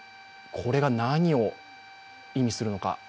これが何を意味するのか